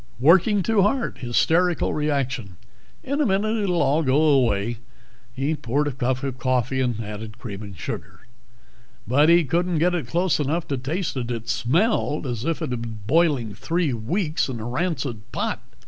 Working too hard, hysterical reaction. In a minute it'll all go away." He poured a cup of coffee, added cream and sugar. But he couldn't get it close enough to taste it. It smelled as if it had been boiling three weeks in a rancid pot.